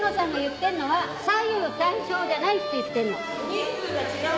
人数が違う。